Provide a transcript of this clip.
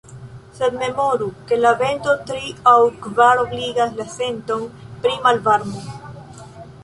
Sed memoru, ke la vento tri- aŭ kvar-obligas la senton pri malvarmo.